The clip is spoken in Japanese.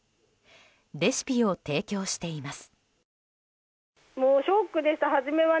レシピを提供しています。